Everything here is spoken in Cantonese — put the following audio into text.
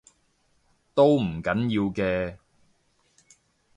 都唔緊要嘅